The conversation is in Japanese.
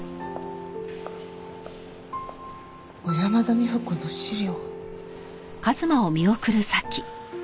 小山田美穂子の資料。